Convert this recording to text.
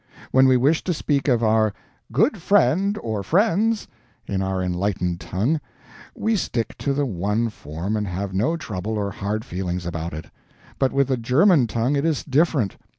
When we wish to speak of our "good friend or friends," in our enlightened tongue, we stick to the one form and have no trouble or hard feeling about it; but with the German tongue it is different.